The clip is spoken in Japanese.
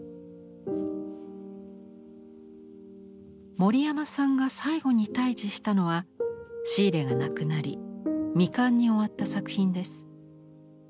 森山さんが最後に対峙したのはシーレが亡くなり未完に終わった作品です。